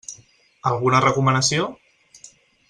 Alguna recomanació?